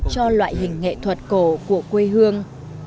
cho loại hình nghệ thuật cổ của quê hương